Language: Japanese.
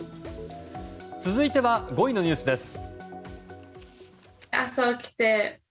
続いては５位のニュースです。